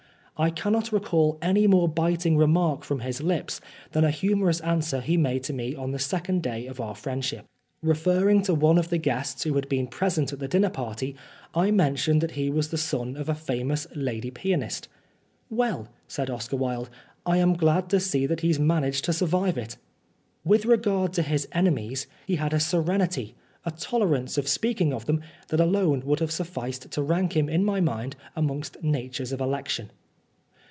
I cannot re call any more biting remark from his lips than a humorous answer he made to me on the second day of our friendship. Referring to one of the guests who had been present at the dinner party, I mentioned that he was the son of a famous lady pianiste. "Well," said Oscar Wilde, "I am glad to see that he has managed to survive it." With regard to his enemies, he had a serenity, a tolerance in speaking of them that alone would have sufficed to rank him in my mind amongst natures of election.